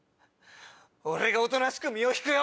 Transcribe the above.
俺がおとなしく身を引くよ。